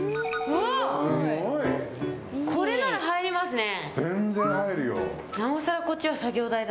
これなら入りますね。